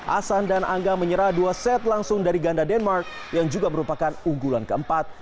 ahsan dan angga menyerah dua set langsung dari ganda denmark yang juga merupakan unggulan keempat